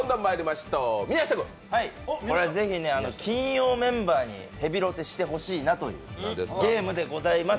これはぜひ金曜メンバーにヘビロテしてほしいというゲームでございます。